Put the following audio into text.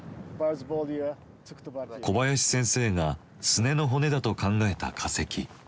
小林先生がすねの骨だと考えた化石。